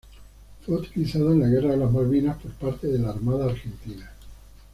Fue utilizada en la Guerra de las Malvinas por parte de la Armada Argentina.